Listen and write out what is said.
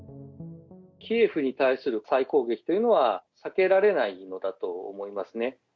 キエフに対する再攻撃というのは避けられないのだと思いますね。